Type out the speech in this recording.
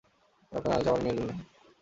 আপনাকে আনা হয়েছে আমার মেয়ের জন্যে।